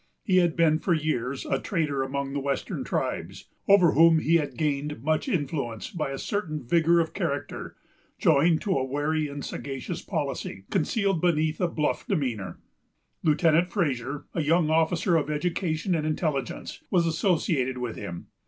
He had been for years a trader among the western tribes, over whom he had gained much influence by a certain vigor of character, joined to a wary and sagacious policy, concealed beneath a bluff demeanor. Lieutenant Fraser, a young officer of education and intelligence, was associated with him.